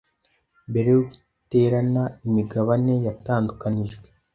Mbere yuko iterana imigabane yatandukanijwe